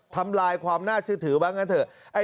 ทำลายความน่าเชื่อถือบ้างงั้นเถอะ